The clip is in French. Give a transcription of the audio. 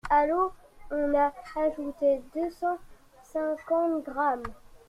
A l'eau on a ajouté deux cent cinquante gr.